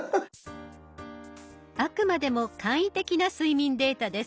あくまでも簡易的な睡眠データです。